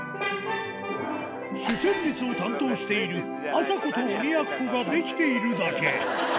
主旋律を担当している、あさこと鬼奴ができているだけ。